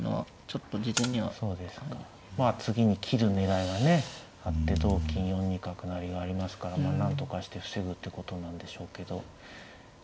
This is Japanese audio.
まあ次に切る狙いがねあって同金４二角成がありますからまあなんとかして防ぐってことなんでしょうけど。